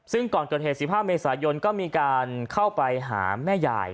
ซึ่งก่อนเกิดเหตุ๑๕เมษายนก็มีการเข้าไปหาแม่ยาย